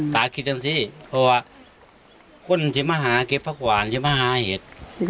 ต้องคิดอย่างนี้เพราะว่าคนที่มาหาเก็บพระขวานที่มาหาเห็ด